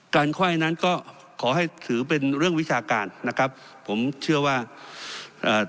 ไขว้นั้นก็ขอให้ถือเป็นเรื่องวิชาการนะครับผมเชื่อว่าเอ่อ